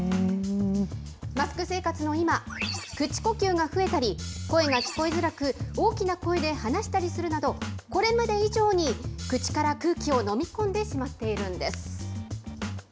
マスク生活の今、口呼吸が増えたり、声が聞こえづらく、大きな声で話したりするなど、これまで以上に口から空気を飲み込んでしまっているんです。